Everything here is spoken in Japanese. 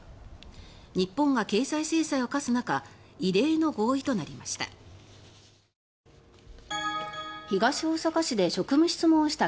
日本が経済制裁を科す中異例の合意となりました。